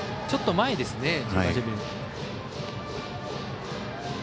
ちょっと前ですね。